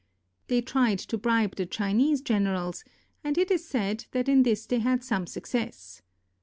They tried to bribe the Chinese generals, and it is said that in this they had some suc cess.